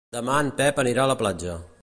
Demà en Pep anirà a la platja.